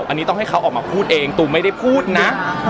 อันนี้ต้องให้เขาออกมาพูดเองตูมไม่ได้พูดนะ